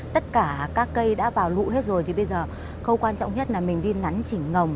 tất cả các cây đã vào lụ hết rồi thì bây giờ khâu quan trọng nhất là mình đi nắn chỉnh ngồng